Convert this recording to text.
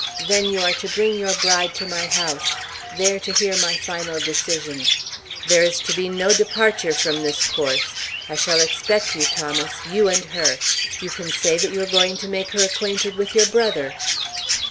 Then you are to bring your bride to my house, there to hear my final decision. There is to be no departure from this course. I shall expect you, Thomas; you and her. You can say that you are going to make her acquainted with your brother."